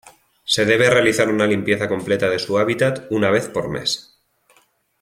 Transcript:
Se debe realizar una limpieza completa de su hábitat una vez por mes.